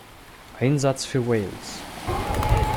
Einsatz für Wales.